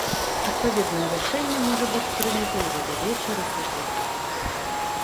Адпаведнае рашэнне можа быць прынята ўжо да вечара суботы.